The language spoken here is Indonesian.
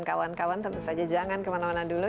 kawan kawan tentu saja jangan kemana mana dulu